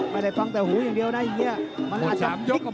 ไม่ได้ฟังแต่หูอย่างเดียวนะอย่างนี้มันอาจจะยกออกมา